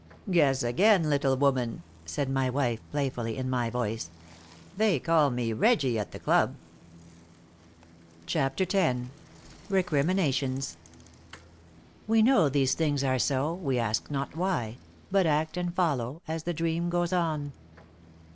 "Guess again, little woman," said my wife, playfully, in my voice. "They call me 'Reggie' at the club." *CHAPTER X.* *RECRIMINATIONS.* We know these things are so, we ask not why, But act and follow as the dream goes on.